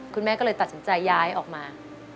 คุณแม่ก็เลยตัดสินใจย้ายออกมา